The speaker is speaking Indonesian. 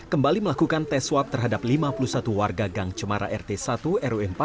kembali melakukan tes swab terhadap lima puluh satu warga gang cemara rt satu rw empat